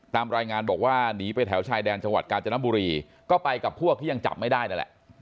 ตามรายงานบอกว่าหนีไปแถวชายแดนจังหวัดกาญจนบุรีก็ไปกับพวกที่ยังจับไม่ได้นั่นแหละ